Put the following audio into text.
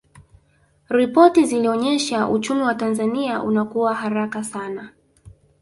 ripoti zilionyesha uchumi wa tanzania unakua haraka sana